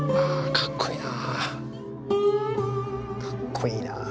かっこいいよね。